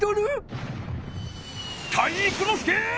体育ノ介！